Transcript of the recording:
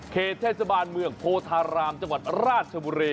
เหตุเทศบาลเมืองโพธารามจังหวัดราชบุรี